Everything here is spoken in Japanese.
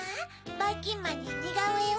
ばいきんまんににがおえを？